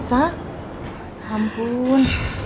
kamu udah lapar polisi